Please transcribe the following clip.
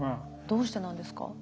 どうしてなんですか？